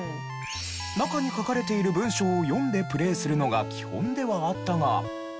中に書かれている文章を読んでプレイするのが基本ではあったが。